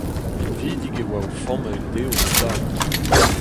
Pinvidik e oa o familh dezho o-daou.